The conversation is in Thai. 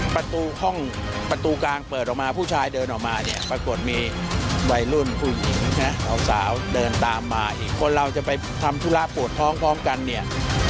ประตูห้องประตูกลางเปิดออกมาผู้ชายเดินออกมาเนี่ยปรากฏมีวัยรุ่นผู้หญิงใช่ไหมสาวเดินตามมาอีกคนเราจะไปทำธุระปวดท้องพร้อมกันเนี่ย